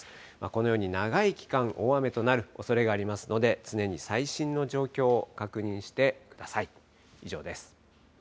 このように長い期間、大雨となるおそれがありますので、常に最新の状況を確認してください。